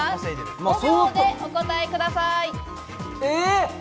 ５秒でお答えください。